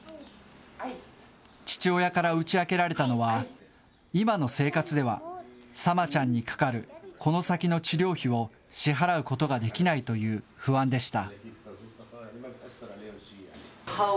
父親から打ち明けられたのは、今の生活では、サマちゃんにかかるこの先の治療費を支払うことができないという不安でした。